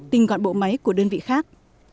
tinh gọn bộ máy của đơn vị khác